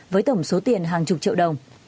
với tổng số tiền hàng chục triệu đồng